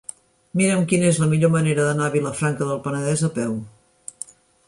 Mira'm quina és la millor manera d'anar a Vilafranca del Penedès a peu.